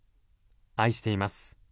愛しています。